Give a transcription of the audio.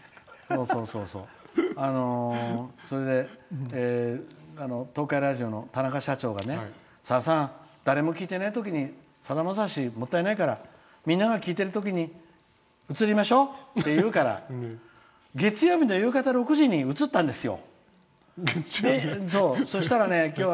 それで、東海ラジオの田中社長がさださん誰も聴いていないときにさだまさしもったいないからみんなが聴いてるときに移りましょうっていうから月曜日の夕方６時に移ったんですよ。